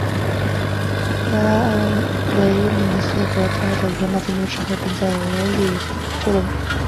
拉埃维努斯和他的罗马舰队之后便在俄里科斯过冬。